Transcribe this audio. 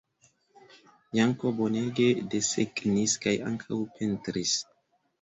Janko bonege desegnis kaj ankaŭ pentris.